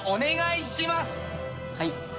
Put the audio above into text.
はい。